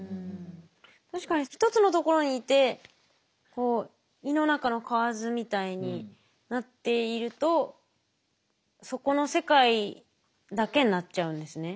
確かに一つの所にいて「井の中の蛙」みたいになっているとそこの世界だけになっちゃうんですね。